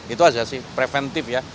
itu aja sih preventif ya